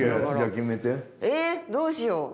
えどうしよう。